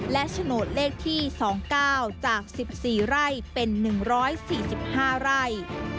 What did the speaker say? และโฉนดเลขที่๒๙จาก๑๔ไร่เป็น๑๔๕ไร่